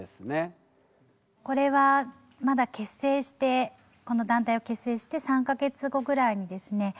これはまだ結成してこの団体を結成して３か月後ぐらいにですね